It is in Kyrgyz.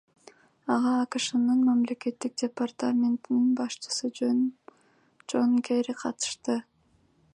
Ага АКШнын Мамлекеттик департаментинин башчысы Жон Керри катышты.